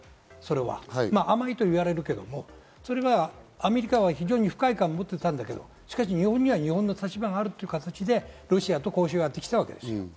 甘いと言われるけれども、アメリカは非常に不快感を持っていたんだけど、日本には日本の立場があるという形でロシアと交渉をやってきたわけです。